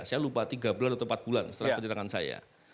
saya lupa tiga bulan atau empat bulan setelah penyerangan saya